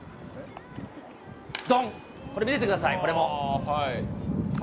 どん、これ見ててください、これも。